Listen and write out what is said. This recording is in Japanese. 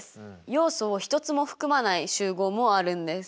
要素を１つも含まない集合もあるんです。